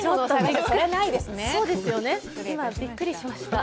今、びっくりしました。